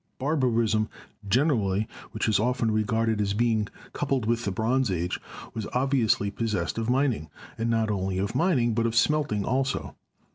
Barbarism gen erally, which is often regarded as being coupled with the Bronze Age, was obviously possessed of mining, and not only of mining, but of smelting also.